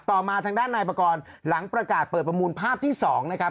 มาทางด้านนายประกอบหลังประกาศเปิดประมูลภาพที่๒นะครับ